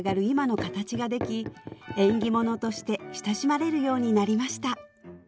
今の形ができ縁起物として親しまれるようになりました